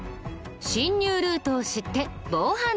侵入ルートを知って防犯対策。